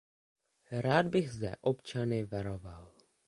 Rád bych zde občany varoval.